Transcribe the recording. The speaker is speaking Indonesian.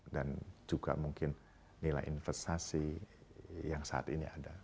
dan juga mungkin nilai investasi yang saat ini ada